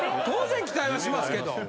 当然期待はしますけど。